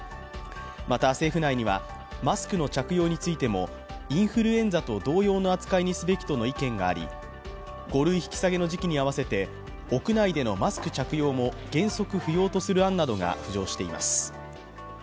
また、政府内には、マスクの着用についてもインフルエンザと同様の扱いにすべきとの意見があり５類引き下げの時期に合わせて、屋内でのマスク着用も原則不要とする案などが浮上しています。